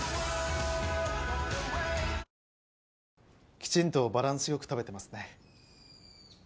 きちんとバランス良く食べてますね。